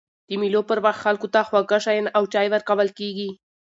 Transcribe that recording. د مېلو پر وخت خلکو ته خواږه شيان او چای ورکول کېږي.